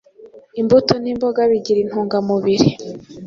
Imbuto ni imboga bigira intungamubiri